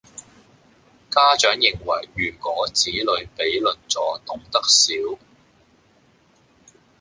家長認為如果子女比鄰座懂得少